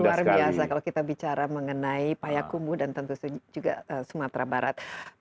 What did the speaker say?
luar biasa kalau kita bicara mengenai payakumbu dan tentu saja juga sumatera barat